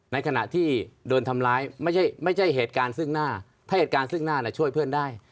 ในขณะที่โดนทำร้ายไม่ใช่เหตุการณ์ซึ่งหน้าถ้าเหตุการณ์ซึ่งหน้าช่วยเพื่อนได้